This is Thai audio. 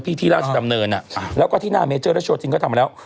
ที่ที่ราชดำเนินแล้วก็ที่หน้าเมเจอร์และโชวจริงก็ทำมาแล้ว